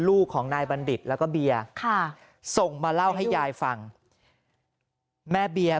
ลูกของนายบัณฑิตแล้วก็เบียร์ค่ะส่งมาเล่าให้ยายฟังแม่เบียร์